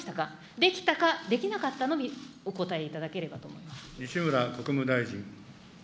できたか、できなかったのみお答えいただければと思います。